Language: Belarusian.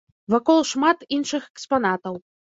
Вакол шмат іншых экспанатаў.